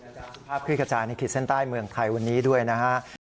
คุณอาจารย์สุภาพคุณอาจารย์นิขิตเส้นใต้เมืองไทยวันนี้ด้วยนะครับ